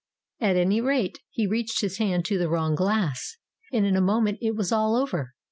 At any rate, he reached his hand to the wrong glass, and in a moment it was all over.